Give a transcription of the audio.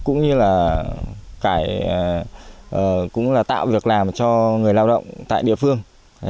cũng như là tạo việc làm cho người lao động tại địa phương